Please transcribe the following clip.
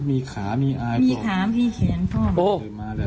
มีขามีเขียนพ่อม